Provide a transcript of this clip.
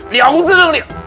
li hao haudun nengdek